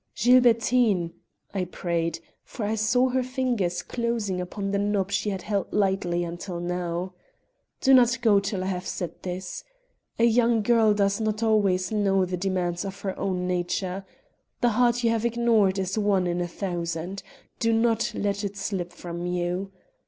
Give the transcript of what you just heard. "Gilbertine," I prayed, for I saw her fingers closing upon the knob she had held lightly till now, "do not go till I have said this. A young girl does not always know the demands of her own nature. The heart you have ignored is one in a thousand. Do not let it slip from you.